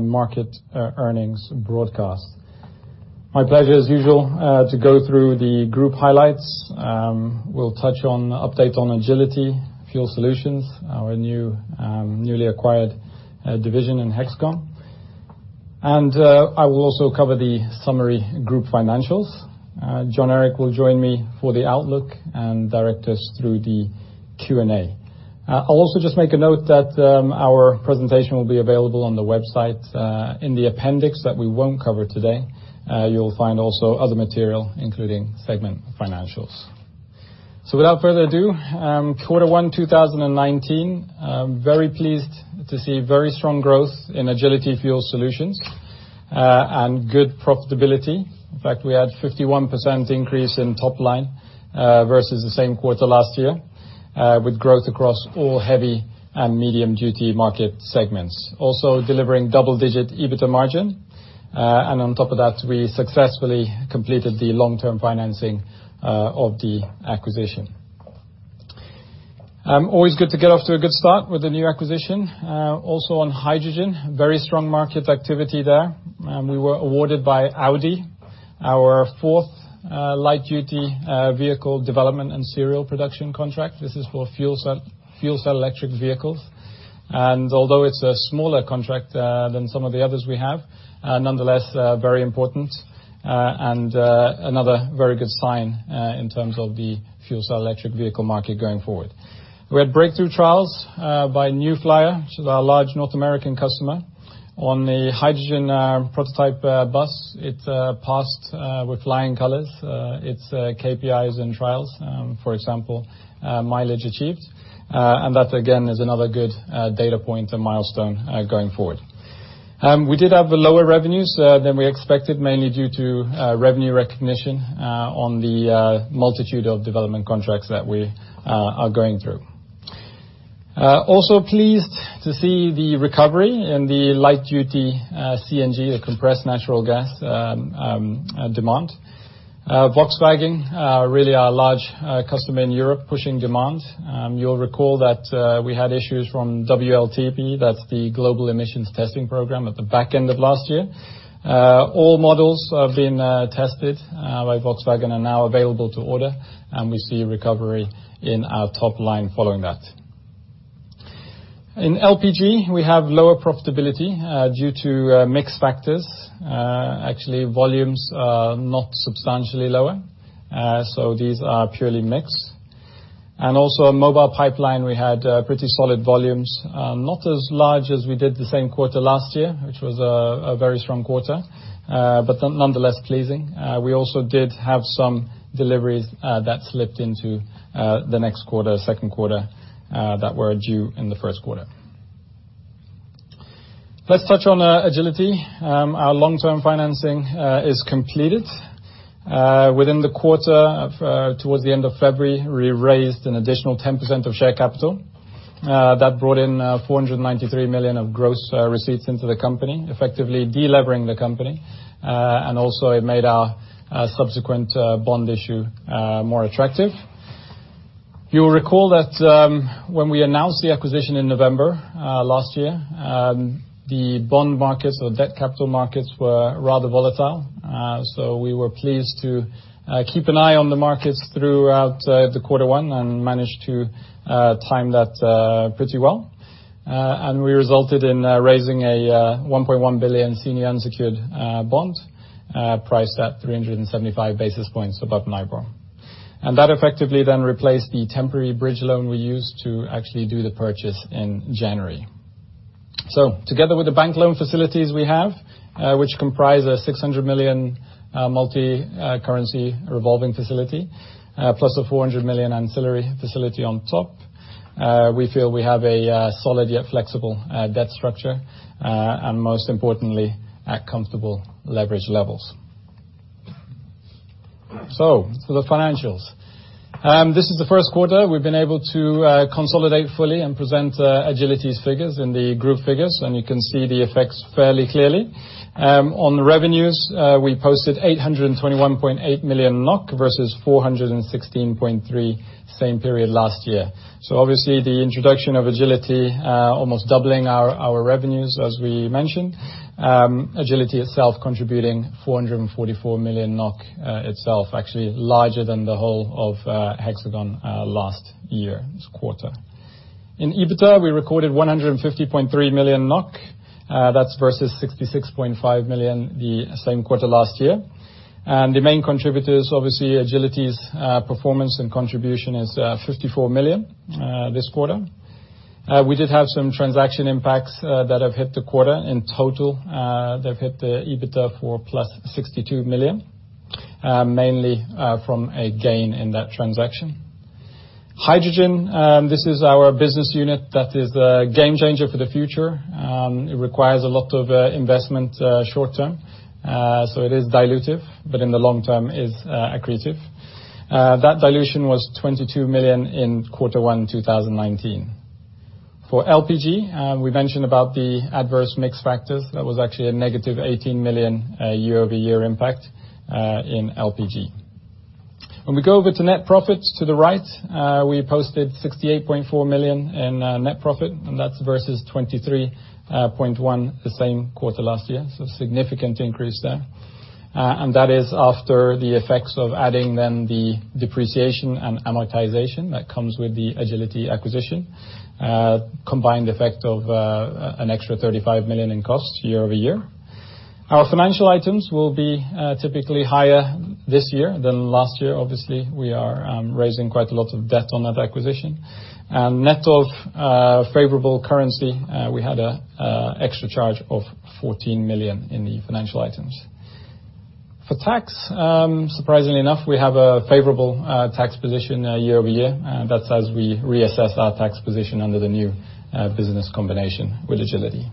market earnings broadcast. My pleasure as usual to go through the group highlights. We'll touch on update on Agility Fuel Solutions, our newly acquired division in Hexagon. I will also cover the summary group financials. Jon Erik will join me for the outlook and direct us through the Q&A. I'll also just make a note that our presentation will be available on the website. In the appendix that we won't cover today, you'll find also other material, including segment financials. Without further ado, quarter one 2019, very pleased to see very strong growth in Agility Fuel Solutions, and good profitability. In fact, we had 51% increase in top line versus the same quarter last year, with growth across all heavy and medium-duty market segments. Also delivering double-digit EBITDA margin. On top of that, we successfully completed the long-term financing of the acquisition. Always good to get off to a good start with a new acquisition. Also on hydrogen, very strong market activity there. We were awarded by Audi our fourth light-duty vehicle development and serial production contract. This is for fuel cell electric vehicles. Although it's a smaller contract than some of the others we have, nonetheless, very important and another very good sign in terms of the fuel cell electric vehicle market going forward. We had breakthrough trials by New Flyer, which is our large North American customer, on the hydrogen prototype bus. It passed with flying colors its KPIs and trials, for example, mileage achieved. That again is another good data point and milestone going forward. We did have lower revenues than we expected, mainly due to revenue recognition on the multitude of development contracts that we are going through. Also pleased to see the recovery in the light-duty CNG, the compressed natural gas demand. Volkswagen, really our large customer in Europe pushing demand. You'll recall that we had issues from WLTP, that's the global emissions testing program at the back end of last year. All models have been tested by Volkswagen are now available to order, we see recovery in our top line following that. In LPG, we have lower profitability due to mix factors. Actually, volumes are not substantially lower. These are purely mix. Also on Mobile Pipeline, we had pretty solid volumes. Not as large as we did the same quarter last year, which was a very strong quarter, but nonetheless pleasing. We also did have some deliveries that slipped into the next quarter, second quarter, that were due in the first quarter. Let's touch on Agility. Our long-term financing is completed. Within the quarter, towards the end of February, we raised an additional 10% of share capital. That brought in 493 million of gross receipts into the company, effectively de-levering the company. Also it made our subsequent bond issue more attractive. You'll recall that when we announced the acquisition in November last year, the bond markets or debt capital markets were rather volatile. We were pleased to keep an eye on the markets throughout the quarter one and managed to time that pretty well. We resulted in raising a 1.1 billion senior unsecured bond, priced at 375 basis points above mid-swap. That effectively then replaced the temporary bridge loan we used to actually do the purchase in January. Together with the bank loan facilities we have, which comprise a 600 million multi-currency revolving facility, plus a 400 million ancillary facility on top, we feel we have a solid yet flexible debt structure. Most importantly, at comfortable leverage levels. The financials. This is the first quarter we've been able to consolidate fully and present Agility's figures and the group figures, and you can see the effects fairly clearly. On the revenues, we posted 821.8 million NOK versus 416.3 million same period last year. Obviously the introduction of Agility almost doubling our revenues as we mentioned. Agility itself contributing 444 million NOK itself, actually larger than the whole of Hexagon last year this quarter. In EBITDA, we recorded 150.3 million NOK. That's versus 66.5 million the same quarter last year. The main contributors, obviously Agility's performance and contribution is 54 million this quarter. We did have some transaction impacts that have hit the quarter. In total, they've hit the EBITDA for +62 million, mainly from a gain in that transaction. Hydrogen, this is our business unit that is the game changer for the future. It requires a lot of investment short term. It is dilutive, but in the long term is accretive. That dilution was 22 million in Q1 2019. For LPG, we mentioned about the adverse mix factors. That was actually a -18 million year-over-year impact in LPG. When we go over to net profits to the right, we posted 68.4 million in net profit, and that's versus 23.1 million the same quarter last year. A significant increase there. That is after the effects of adding then the depreciation and amortization that comes with the Agility acquisition. Combined effect of an extra 35 million in costs year-over-year. Our financial items will be typically higher this year than last year. Obviously, we are raising quite a lot of debt on that acquisition. Net of favorable currency, we had an extra charge of 14 million in the financial items. For tax, surprisingly enough, we have a favorable tax position year-over-year, and that's as we reassess our tax position under the new business combination with Agility.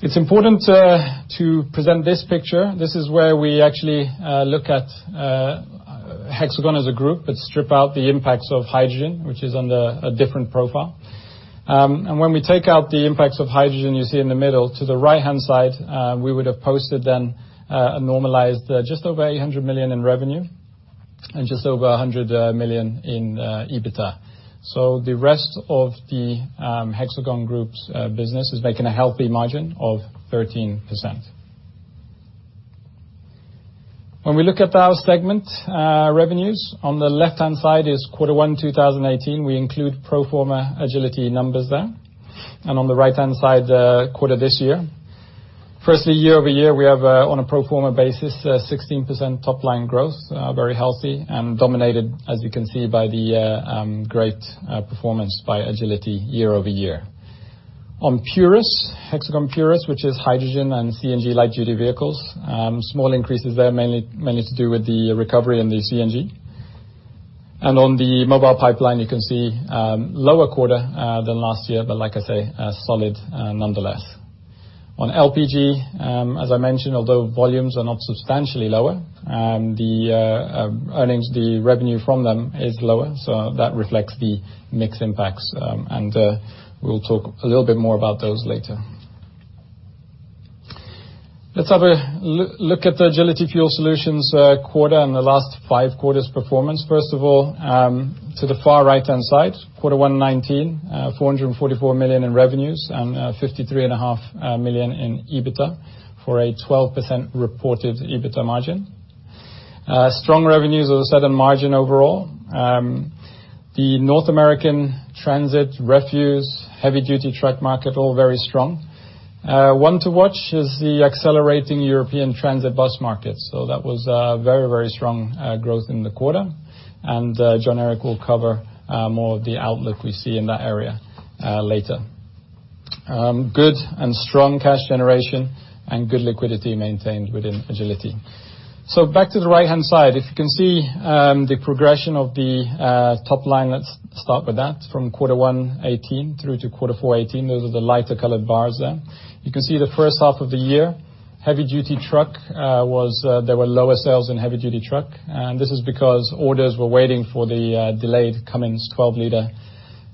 It's important to present this picture. This is where we actually look at Hexagon as a group, but strip out the impacts of Hydrogen, which is under a different profile. When we take out the impacts of Hydrogen, you see in the middle to the right-hand side, we would have posted then a normalized just over 800 million in revenue and just over 100 million in EBITDA. The rest of the Hexagon group's business is making a healthy margin of 13%. When we look at our segment revenues, on the left-hand side is Q1 2018. We include pro forma Agility numbers there. On the right-hand side, the quarter this year. Firstly, year-over-year, we have on a pro forma basis, 16% top-line growth, very healthy and dominated, as you can see, by the great performance by Agility year-over-year. On Purus, Hexagon Purus, which is Hydrogen and CNG light-duty vehicles, small increases there, mainly to do with the recovery in the CNG. On the Mobile Pipeline, you can see lower quarter than last year, but like I say, solid nonetheless. On LPG, as I mentioned, although volumes are not substantially lower, the revenue from them is lower. That reflects the mix impacts, and we'll talk a little bit more about those later. Let's have a look at the Agility Fuel Solutions quarter and the last five quarters' performance. First of all, to the far right-hand side, Q1 2019, 444 million in revenues and 53.5 million in EBITDA for a 12% reported EBITDA margin. Strong revenues as a certain margin overall. The North American transit refuse heavy-duty truck market, all very strong. One to watch is the accelerating European transit bus market. That was a very, very strong growth in the quarter. Jon Erik will cover more of the outlook we see in that area later. Good and strong cash generation and good liquidity maintained within Agility. Back to the right-hand side. If you can see the progression of the top line, let's start with that, from Q1 2018 through to Q4 2018. Those are the lighter colored bars there. You can see the first half of the year, there were lower sales in heavy-duty truck. This is because orders were waiting for the delayed Cummins 12 liter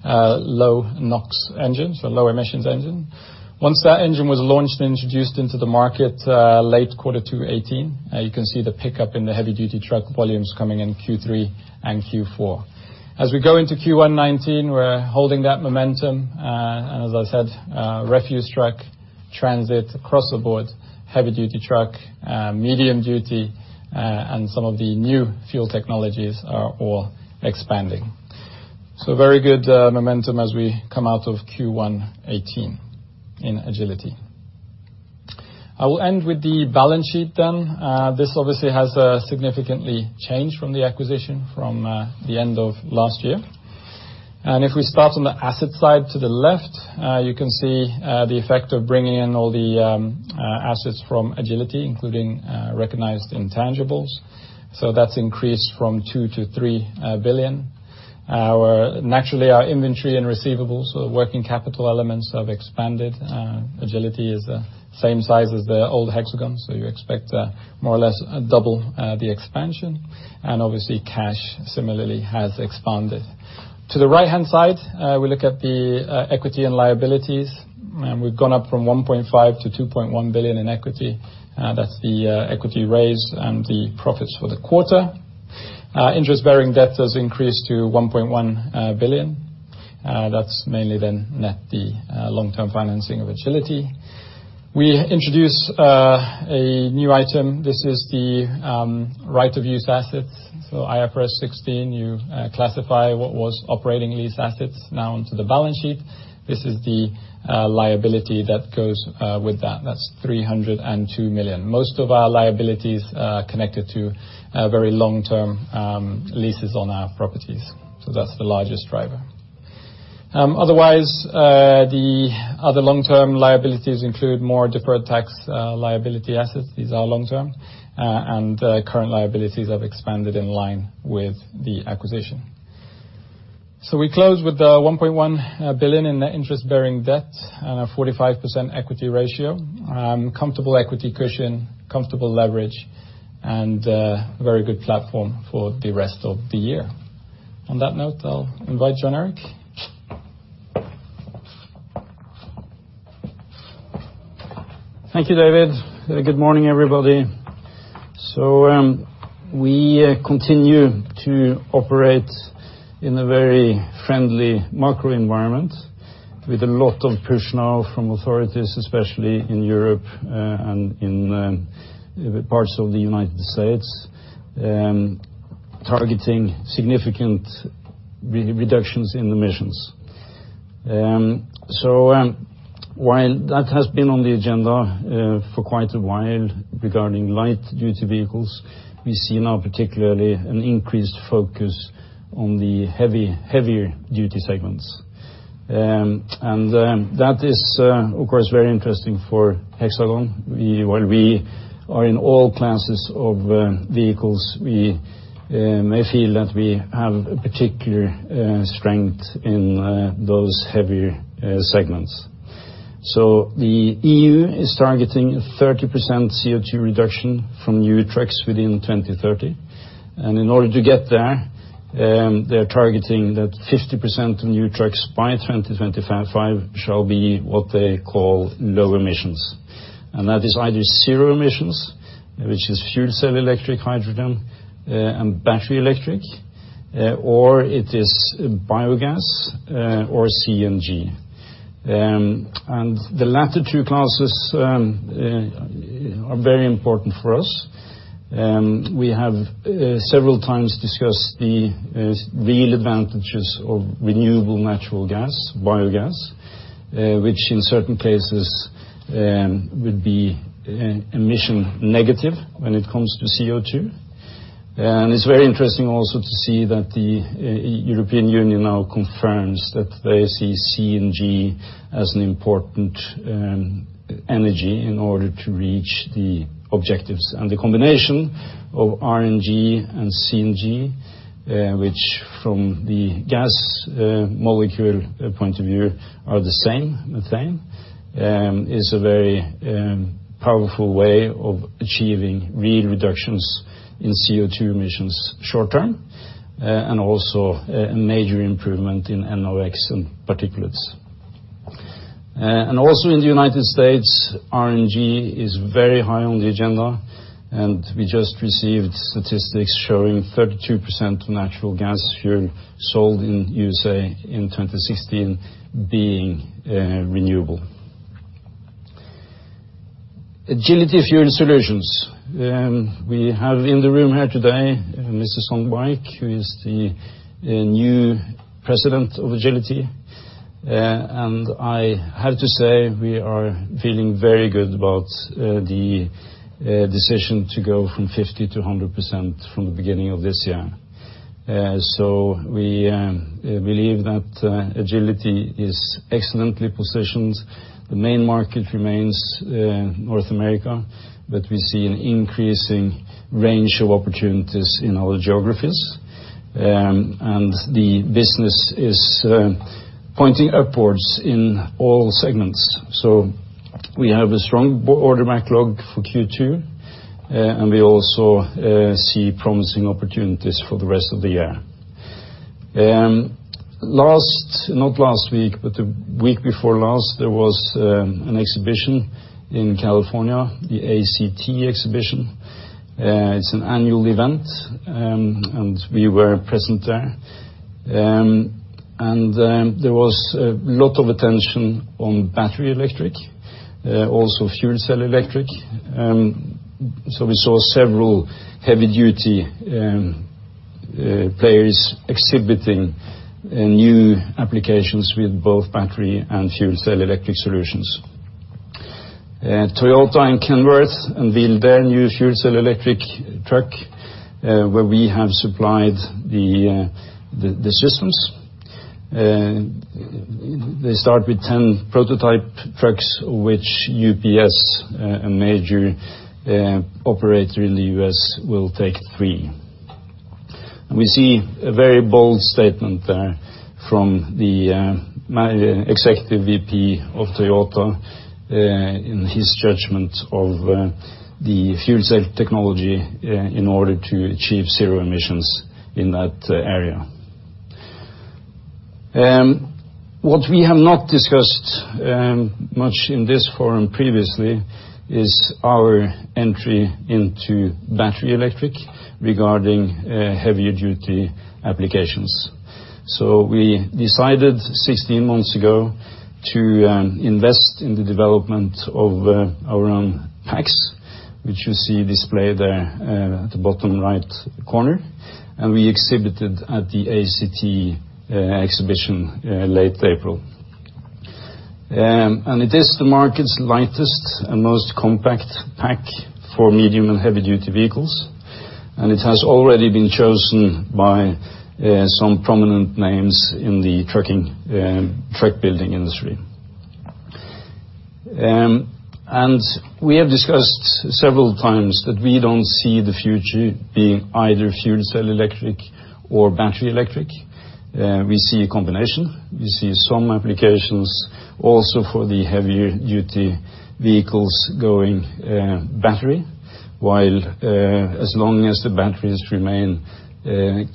low NOx engines, the low emissions engine. Once that engine was launched and introduced into the market late Q2 2018, you can see the pickup in the heavy-duty truck volumes coming in Q3 and Q4. As we go into Q1 2019, we're holding that momentum. As I said, refuse truck, transit across the board, heavy-duty truck, medium duty, and some of the new fuel technologies are all expanding. Very good momentum as we come out of Q1 2018 in Agility. I will end with the balance sheet then. This obviously has significantly changed from the acquisition from the end of last year. If we start on the asset side to the left, you can see the effect of bringing in all the assets from Agility, including recognized intangibles. That's increased from 2 billion-3 billion. Naturally, our inventory and receivables, so the working capital elements have expanded. Agility is the same size as the old Hexagon, so you expect more or less double the expansion. Obviously, cash similarly has expanded. To the right-hand side, we look at the equity and liabilities, and we've gone up from 1.5 billion-2.1 billion in equity. That's the equity raise and the profits for the quarter. Interest-bearing debt has increased to 1.1 billion. That's mainly then net the long-term financing of Agility. We introduce a new item. This is the right-of-use assets. IFRS 16, you classify what was operating lease assets now onto the balance sheet. This is the liability that goes with that. That's 302 million. Most of our liabilities are connected to very long-term leases on our properties. That's the largest driver. Otherwise, the other long-term liabilities include more deferred tax liability assets. These are long-term. Current liabilities have expanded in line with the acquisition. We close with 1.1 billion in net interest-bearing debt and a 45% equity ratio. Comfortable equity cushion, comfortable leverage, and a very good platform for the rest of the year. On that note, I'll invite Jon Erik. Thank you, David. Good morning, everybody. We continue to operate in a very friendly macro environment with a lot of push now from authorities, especially in Europe and in parts of the U.S., targeting significant reductions in emissions. While that has been on the agenda for quite a while regarding light-duty vehicles, we see now particularly an increased focus on the heavier duty segments. That is, of course, very interesting for Hexagon. While we are in all classes of vehicles, we may feel that we have a particular strength in those heavier segments. The EU is targeting a 30% CO2 reduction from new trucks within 2030. In order to get there, they are targeting that 50% of new trucks by 2025 shall be what they call low emissions. That is either zero emissions, which is fuel cell electric, hydrogen, and battery electric, or it is biogas, or CNG. The latter two classes are very important for us. We have several times discussed the real advantages of renewable natural gas, biogas, which in certain cases would be emission negative when it comes to CO2. It's very interesting also to see that the European Union now confirms that they see CNG as an important energy in order to reach the objectives. The combination of RNG and CNG, which from the gas molecule point of view are the same, methane, is a very powerful way of achieving real reductions in CO2 emissions short term, and also a major improvement in NOx and particulates. Also in the U.S., RNG is very high on the agenda, and we just received statistics showing 32% natural gas fuel sold in the U.S. in 2016 being renewable. Agility Fuel Solutions. We have in the room here today, Mr. Seung Baik, who is the new president of Agility. I have to say, we are feeling very good about the decision to go from 50% to 100% from the beginning of this year. We believe that Agility is excellently positioned. The main market remains North America, but we see an increasing range of opportunities in other geographies. The business is pointing upwards in all segments. We have a strong order backlog for Q2, and we also see promising opportunities for the rest of the year. Last, not last week, but the week before last, there was an exhibition in California, the ACT Expo. It's an annual event. We were present there. There was a lot of attention on battery electric, also fuel cell electric. We saw several heavy-duty players exhibiting new applications with both battery and fuel cell electric solutions. Toyota and Kenworth unveiled their new fuel cell electric truck, where we have supplied the systems. They start with 10 prototype trucks, which UPS, a major operator in the U.S., will take 3. We see a very bold statement there from the executive VP of Toyota in his judgment of the fuel cell technology in order to achieve zero emissions in that area. What we have not discussed much in this forum previously is our entry into battery electric regarding heavier duty applications. We decided 16 months ago to invest in the development of our own packs, which you see displayed there at the bottom right corner. We exhibited at the ACT Expo late April. It is the market's lightest and most compact pack for medium and heavy-duty vehicles. It has already been chosen by some prominent names in the truck building industry. We have discussed several times that we don't see the future being either fuel cell electric or battery electric. We see a combination. We see some applications also for the heavier duty vehicles going battery, while as long as the batteries remain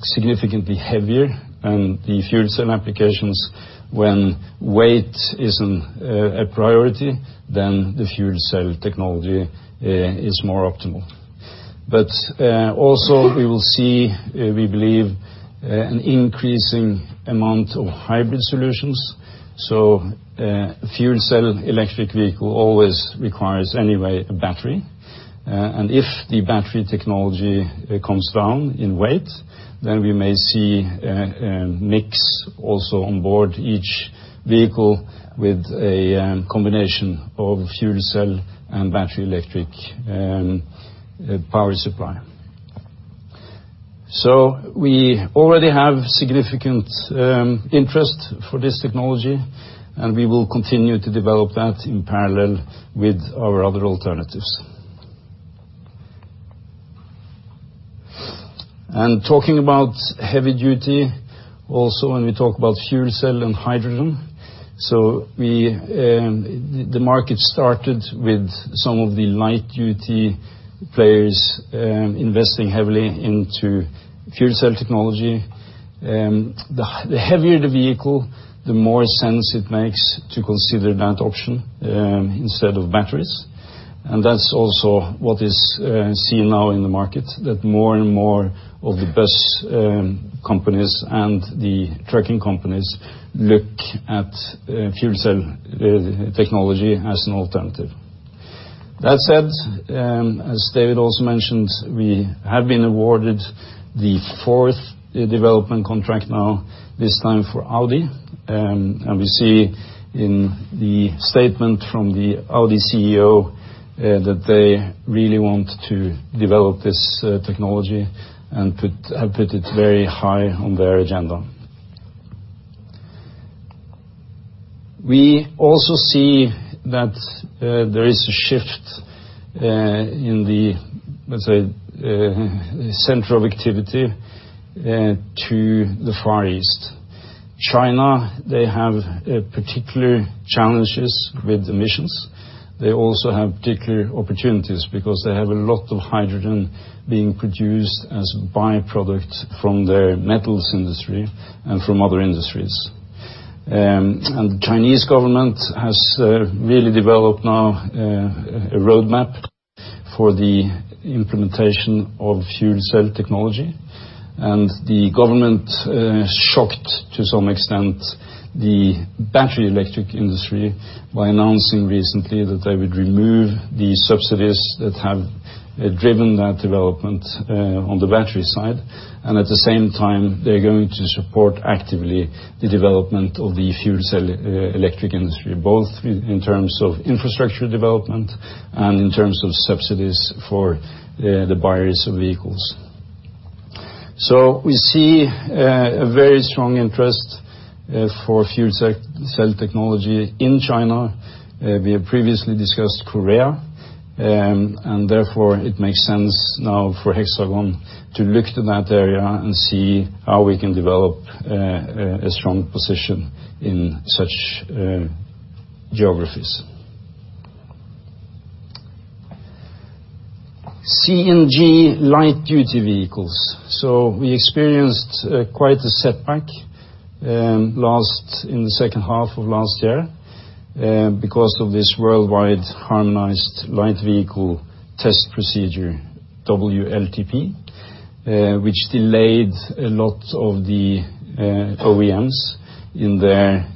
significantly heavier and the fuel cell applications. When weight isn't a priority, then the fuel cell technology is more optimal. Also we will see, we believe, an increasing amount of hybrid solutions. A fuel cell electric vehicle always requires anyway a battery. If the battery technology comes down in weight, then we may see a mix also on board each vehicle with a combination of fuel cell and battery electric power supply. We already have significant interest for this technology, and we will continue to develop that in parallel with our other alternatives. Talking about heavy duty, also when we talk about fuel cell and hydrogen. The market started with some of the light-duty players investing heavily into fuel cell technology. The heavier the vehicle, the more sense it makes to consider that option instead of batteries. That's also what is seen now in the market, that more and more of the bus companies and the trucking companies look at fuel cell technology as an alternative. That said, as David also mentioned, we have been awarded the fourth development contract now, this time for Audi. We see in the statement from the Audi CEO that they really want to develop this technology and have put it very high on their agenda. We also see that there is a shift in the, let's say, the center of activity to the Far East. China, they have particular challenges with emissions. They also have particular opportunities because they have a lot of hydrogen being produced as by-product from their metals industry and from other industries. The Chinese government has really developed now a roadmap for the implementation of fuel cell technology, and the government shocked to some extent the battery electric industry by announcing recently that they would remove the subsidies that have driven that development on the battery side. At the same time, they're going to support actively the development of the fuel cell electric industry, both in terms of infrastructure development and in terms of subsidies for the buyers of vehicles. We see a very strong interest for fuel cell technology in China. We have previously discussed Korea, and therefore it makes sense now for Hexagon to look to that area and see how we can develop a strong position in such geographies. CNG light-duty vehicles. We experienced quite a setback in the second half of last year because of this Worldwide Harmonized Light Vehicle Test Procedure, WLTP, which delayed a lot of the OEMs in their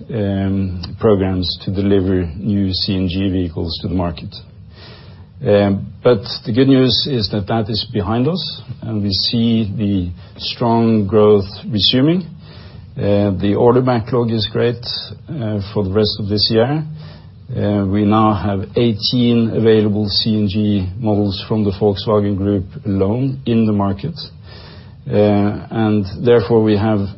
programs to deliver new CNG vehicles to the market. The good news is that that is behind us, and we see the strong growth resuming. The order backlog is great for the rest of this year. We now have 18 available CNG models from the Volkswagen Group alone in the market. Therefore, we have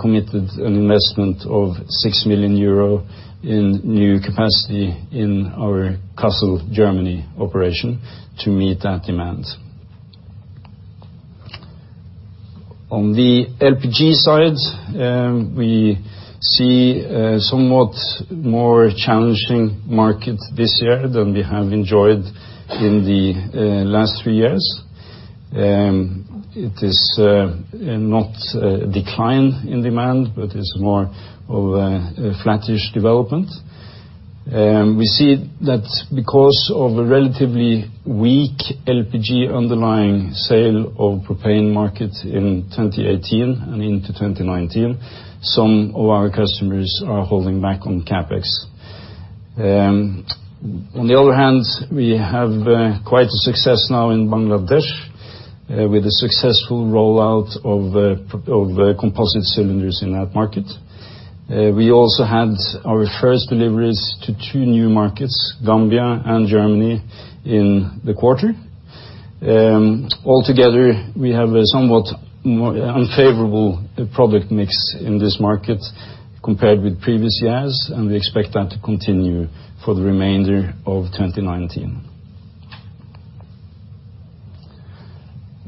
committed an investment of 6 million euro in new capacity in our Kassel, Germany operation to meet that demand. On the LPG side, we see a somewhat more challenging market this year than we have enjoyed in the last three years. It is not a decline in demand, but it's more of a flattish development. We see that because of a relatively weak LPG underlying sale of propane market in 2018 and into 2019, some of our customers are holding back on CapEx. On the other hand, we have quite a success now in Bangladesh with the successful rollout of composite cylinders in that market. We also had our first deliveries to two new markets, Gambia and Germany, in the quarter. Altogether, we have a somewhat unfavorable product mix in this market compared with previous years, and we expect that to continue for the remainder of 2019.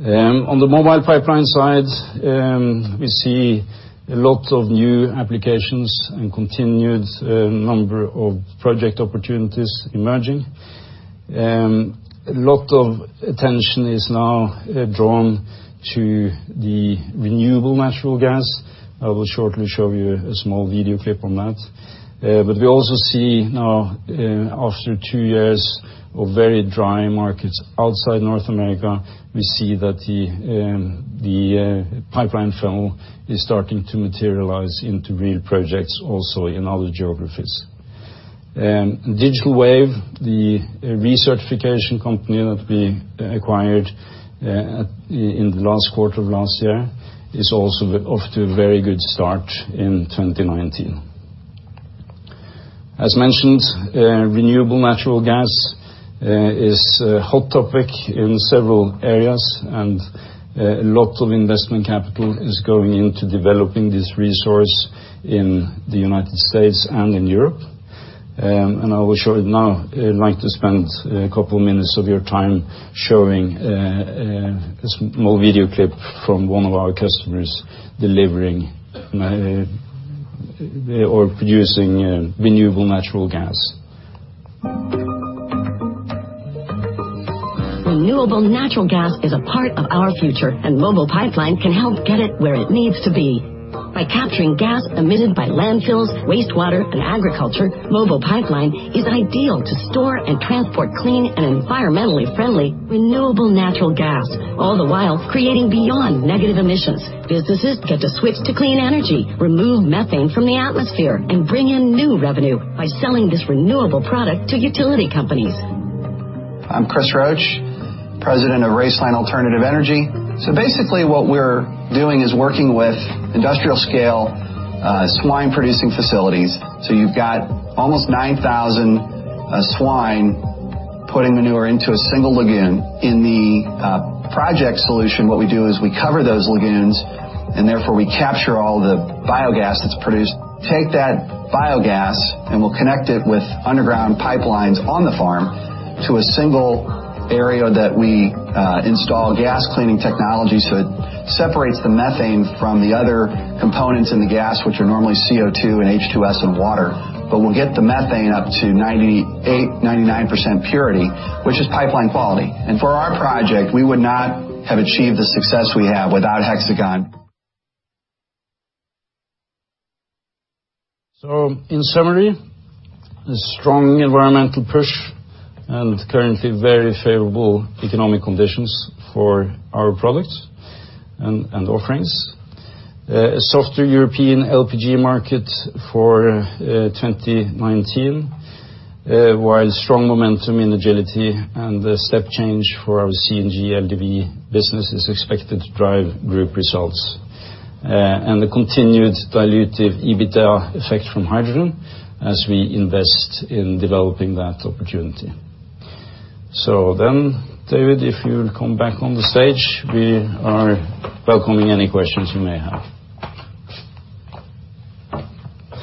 On the Mobile Pipeline side, we see a lot of new applications and continued number of project opportunities emerging. A lot of attention is now drawn to the renewable natural gas. I will shortly show you a small video clip on that. We also see now, after two years of very dry markets outside North America, we see that the pipeline funnel is starting to materialize into real projects also in other geographies. Digital Wave, the recertification company that we acquired in the last quarter of last year, is also off to a very good start in 2019. As mentioned, renewable natural gas is a hot topic in several areas and a lot of investment capital is going into developing this resource in the United States and in Europe. I will show it now. I'd like to spend a couple minutes of your time showing a small video clip from one of our customers delivering or producing renewable natural gas. Renewable natural gas is a part of our future, and Mobile Pipeline can help get it where it needs to be. By capturing gas emitted by landfills, wastewater, and agriculture, Mobile Pipeline is ideal to store and transport clean and environmentally friendly renewable natural gas, all the while creating beyond negative emissions. Businesses get to switch to clean energy, remove methane from the atmosphere, and bring in new revenue by selling this renewable product to utility companies. I'm Chris Roach, President of Roeslein Alternative Energy Basically what we're doing is working with industrial-scale swine producing facilities. You've got almost 9,000 swine putting manure into a single lagoon. In the project solution, what we do is we cover those lagoons and therefore we capture all the biogas that's produced, take that biogas, and we'll connect it with underground pipelines on the farm to a single area that we install gas cleaning technology. It separates the methane from the other components in the gas, which are normally CO2 and H2S and water. We'll get the methane up to 98%-99% purity, which is pipeline quality. For our project, we would not have achieved the success we have without Hexagon. In summary, a strong environmental push and currently very favorable economic conditions for our products and offerings. A softer European LPG market for 2019, while strong momentum in Agility and the step change for our CNG LDV business is expected to drive group results. The continued dilutive EBITDA effect from hydrogen as we invest in developing that opportunity. Then, David, if you'll come back on the stage, we are welcoming any questions you may have. Any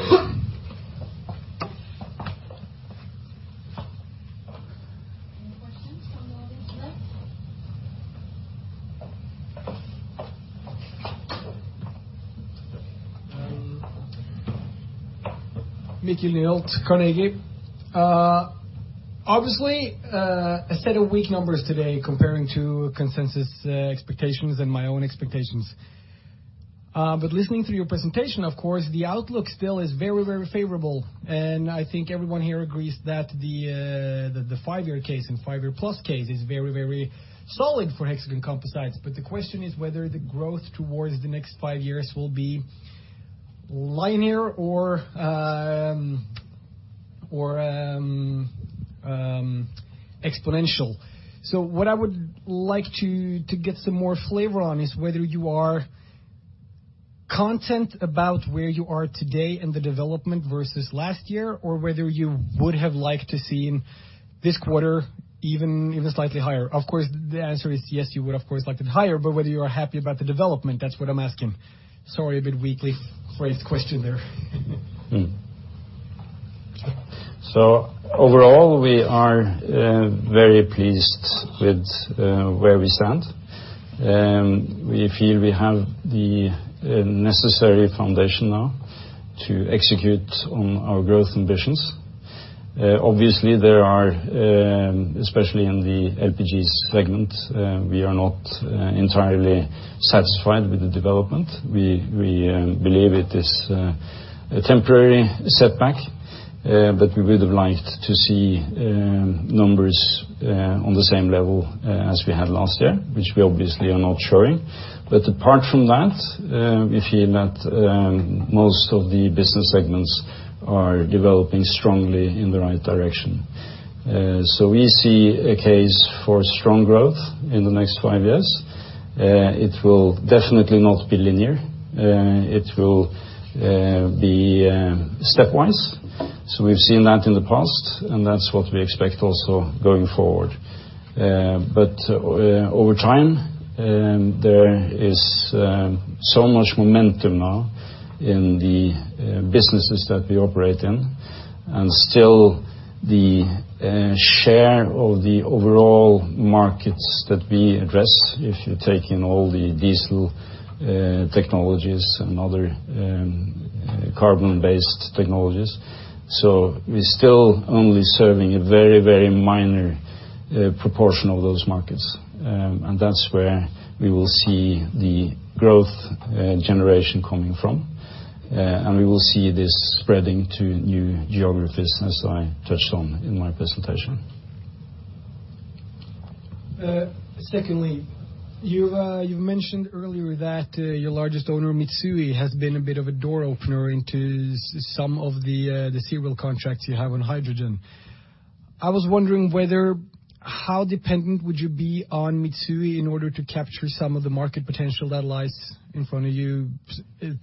questions from the audience? Yes. Mikkel Nyholt, Carnegie. Obviously, a set of weak numbers today comparing to consensus expectations and my own expectations. Listening to your presentation, of course, the outlook still is very, very favorable. I think everyone here agrees that the five-year case and five-year plus case is very, very solid for Hexagon Composites. The question is whether the growth towards the next five years will be linear or exponential. What I would like to get some more flavor on is whether you are content about where you are today and the development versus last year, or whether you would have liked to see this quarter even slightly higher. Of course, the answer is yes, you would, of course, like it higher, but whether you are happy about the development, that's what I'm asking. Sorry, a bit weakly phrased question there. Overall, we are very pleased with where we stand. We feel we have the necessary foundation now to execute on our growth ambitions. Obviously, there are, especially in the LPG segment, we are not entirely satisfied with the development. We believe it is a temporary setback, but we would have liked to see numbers on the same level as we had last year, which we obviously are not showing. Apart from that, we feel that most of the business segments are developing strongly in the right direction. We see a case for strong growth in the next five years. It will definitely not be linear. It will be stepwise. We've seen that in the past, and that's what we expect also going forward. Over time, there is so much momentum now in the businesses that we operate in, and still the share of the overall markets that we address, if you take in all the diesel technologies and other carbon-based technologies. We're still only serving a very, very minor proportion of those markets. That's where we will see the growth generation coming from. We will see this spreading to new geographies as I touched on in my presentation. Secondly, you've mentioned earlier that your largest owner, Mitsui, has been a bit of a door opener into some of the serial contracts you have on hydrogen. I was wondering whether, how dependent would you be on Mitsui in order to capture some of the market potential that lies in front of you,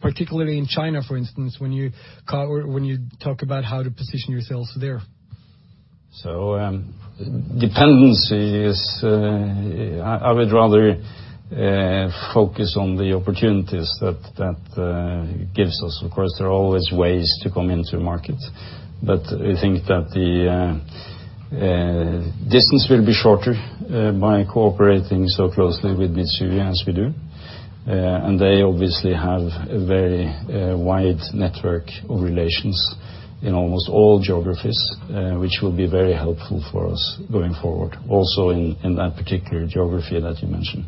particularly in China, for instance, when you talk about how to position yourselves there? Dependency is, I would rather focus on the opportunities that gives us. Of course, there are always ways to come into a market. I think that the distance will be shorter by cooperating so closely with Mitsui as we do. They obviously have a very wide network of relations in almost all geographies, which will be very helpful for us going forward, also in that particular geography that you mentioned.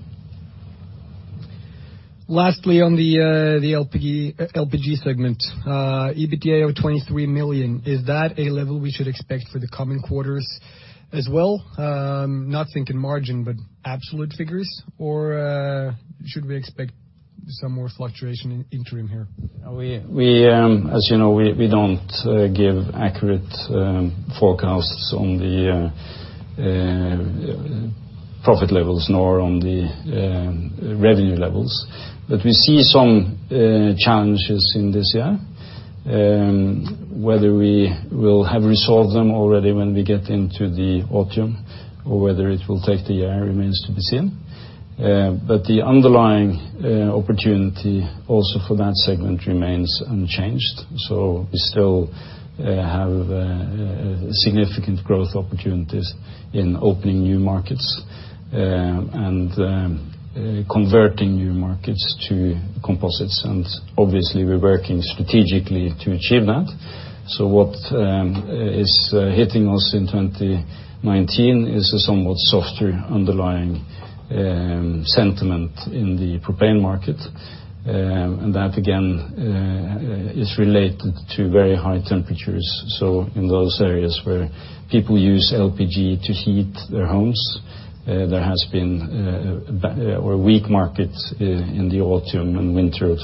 Lastly, on the LPG segment. EBITDA of 23 million, is that a level we should expect for the coming quarters as well? Not thinking margin, but absolute figures. Should we expect some more fluctuation interim here? As you know, we don't give accurate forecasts on the profit levels nor on the revenue levels. We see some challenges in this year. Whether we will have resolved them already when we get into the autumn or whether it will take the year remains to be seen. The underlying opportunity also for that segment remains unchanged. We still have significant growth opportunities in opening new markets and converting new markets to composites. Obviously, we're working strategically to achieve that. What is hitting us in 2019 is a somewhat softer underlying sentiment in the propane market. That, again, is related to very high temperatures. In those areas where people use LPG to heat their homes, there has been a weak market in the autumn and winter of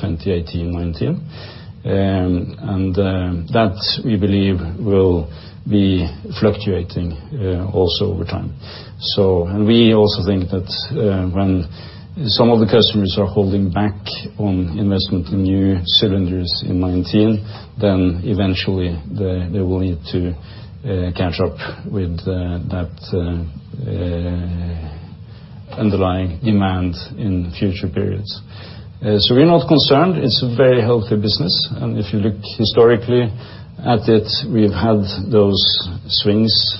2018-19. That, we believe, will be fluctuating also over time. We also think that when some of the customers are holding back on investment in new cylinders in 2019, eventually they will need to catch up with that underlying demand in future periods. We're not concerned. It's a very healthy business. If you look historically at it, we've had those swings